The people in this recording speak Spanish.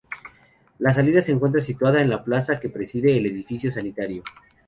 La salida se encuentra situada en la plaza que preside el edificio sanitario.